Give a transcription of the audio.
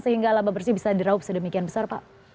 sehingga laba bersih bisa diraup sedemikian besar pak